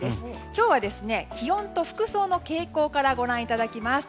今日は気温と服装の傾向からご覧いただきます。